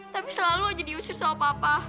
tapi selalu aja diusir sama papa